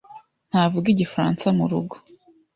ntavuga Igifaransa murugo.